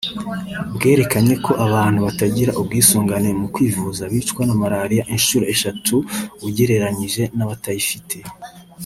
bwerekanye ko abantu batagira ubwisungane mu kwivuza bicwa na malaria inshuro eshatu ugereranyije n’abatayifite